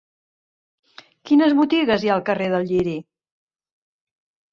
Quines botigues hi ha al carrer del Lliri?